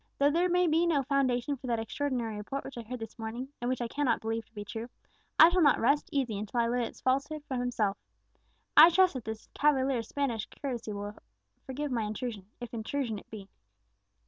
Though there may be no foundation for that extraordinary report which I heard this morning, and which I cannot believe to be true, I shall not rest easy until I learn its falsehood from himself. I trust that the cavalier's Spanish courtesy will forgive my intrusion, if intrusion it be.